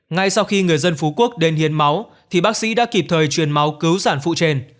ngay sau khi người dân phú quốc đến hiến máu thì bác sĩ đã kịp thời truyền máu cứu sản phụ trên